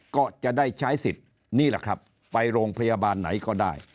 ก็จะได้ใช้สิทธิ์นี่แหละครับไปโรงพยาบาลไหนก็ได้